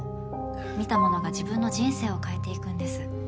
見たものが自分の人生を変えていくんです。